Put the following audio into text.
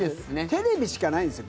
テレビしかないんですよ